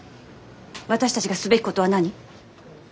私たちがすべきことは何？